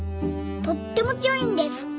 とってもつよいんです。